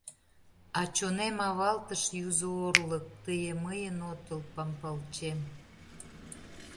А чонем авалтыш юзо орлык: Тые мыйын отыл Пампалчем.